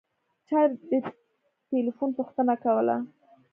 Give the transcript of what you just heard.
چا د تیلیفون پوښتنه کوله.